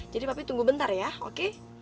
jadi papi tunggu bentar ya oke